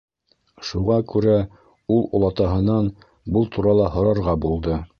Шуға күрә ул олатаһынан был турала һорарға булды.